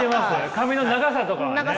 髪の長さとかがね。